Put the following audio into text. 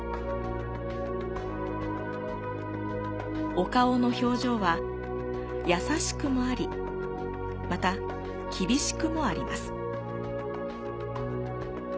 お顔の表情はやさしくもあり、また厳しくもあります。